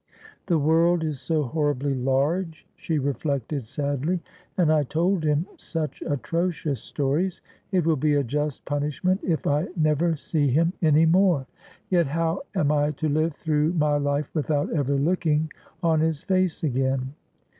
' The world is so horribly large,' she reflected sadly, ' and I told him such atrocious stories. It will be a just punishment if I never see him any more. Yet how am I to live through my life without ever looking on his face again